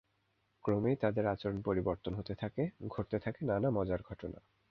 ক্রমেই তাদের আচরণ পরিবর্তন হতে থাকে, ঘটতে থাকে নানা মজার ঘটনা।